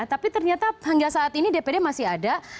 tapi ternyata hingga saat ini dpd masih ada